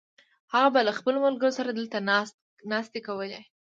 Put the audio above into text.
هغه به له خپلو ملګرو سره دلته ناستې کولې.